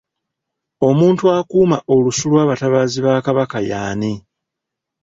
Omuntu akuuma olusu lw'abatabaazi ba Kabaka y'ani?